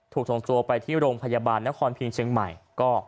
ถูกทงตัวไปที่โรงพยาบาลนครพิงเชียงใหม่ก็ปลอดภัยแล้ว